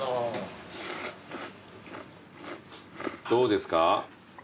どうですか？